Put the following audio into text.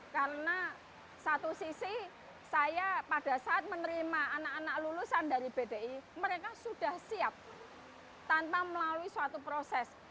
karena satu sisi saya pada saat menerima anak anak lulusan dari bdi mereka sudah siap tanpa melalui suatu proses